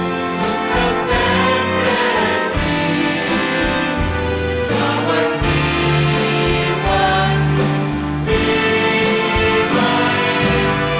ขอบความจากฝ่าให้บรรดาดวงคันสุขสิทธิ์